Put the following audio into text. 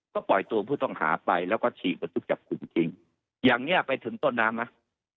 ก็ปล่อยตัวผู้ต้องหาไปแล้วก็ฉีกบันทึกจับกลุ่มจริงอย่างนี้ไปถึงต้นน้ำไหม